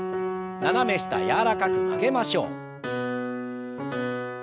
斜め下柔らかく曲げましょう。